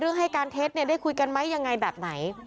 ให้การเท็จได้คุยกันไหมยังไงแบบไหน